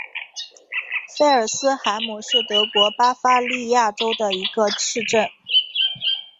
菲尔斯海姆是德国巴伐利亚州的一个市镇。